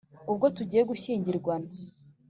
ubwo tugiye gushyingirwana